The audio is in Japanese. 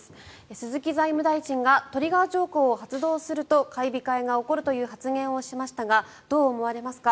鈴木財務大臣がトリガー条項を発動すると買い控えが起こるという発言をしましたが、どう思われますか。